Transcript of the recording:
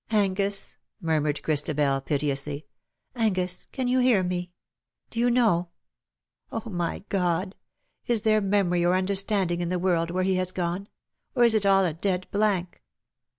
" Angus !" murmured Christabel, piteously, " Angus, can you hear me ?— do you know ? Oh, my God ! is there memory or understanding in the world where he has gone, or is it all a dead blank